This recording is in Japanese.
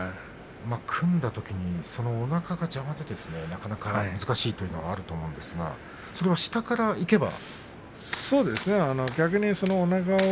組んだときにおなかが邪魔でなかなか難しいというのがあると思うんですがそれを下からいけば。